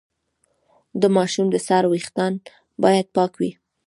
د ماشوم د سر ویښتان باید پاک وي۔